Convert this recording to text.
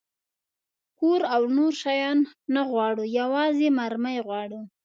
کور او نور شیان نه غواړو، یوازې مرمۍ غواړو.